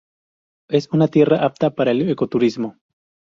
Es una tierra apta para el ecoturismo.